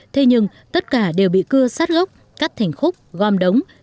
thế nhưng tất cả đều bị cưa sát gốc cắt thành khúc gom đống